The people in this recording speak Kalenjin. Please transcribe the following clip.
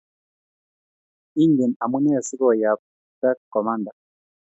Ingen amune si ko yapta komanda